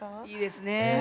いいですね。